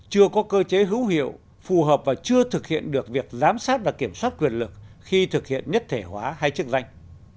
chưa có cơ chế hữu hiệu phù hợp và chưa thực hiện được việc giám sát và kiểm soát quyền lực khi thực hiện nhất thể hóa hay chức danh